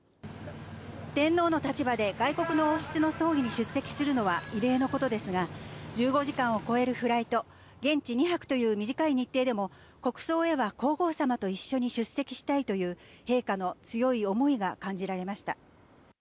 天皇の立場で外国の王室の葬儀に出席するのは異例のことですが、１５時間を超えるフライト、現地２泊という短い日程でも国葬へは皇后さまと一緒に出席したいという陛下の強い思いが感じられました。